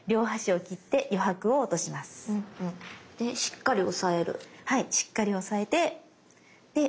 でしっかり押さえる。